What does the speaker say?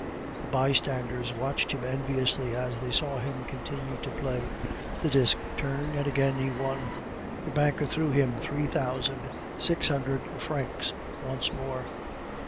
The bystanders watched him enviously as they saw him continue to play. The disc turned, and again he won; the banker threw him three thousand six hundred francs once more.